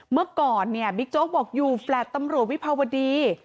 ข้อก่อนบิ๊กโจ๊กบอกอยู่แฟลต์ตำรวจวิภาวดี